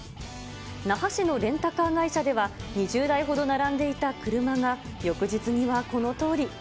那覇市のレンタカー会社では２０台ほど並んでいた車が、翌日にはこのとおり。